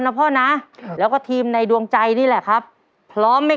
พ่อนะแล้วก็ทีมในดวงใจนี่แหละครับพร้อมไหม